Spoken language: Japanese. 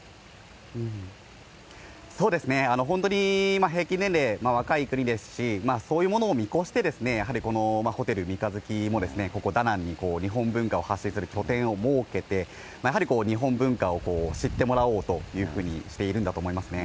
そうですね、本当に平均年齢若い国ですし、そういうものを見こして、やはりこのホテル三日月も、ここ、ダナンに日本文化を発信する拠点を設けて、やはりこう、日本文化を知ってもらおうというふうにしているんだと思いますね。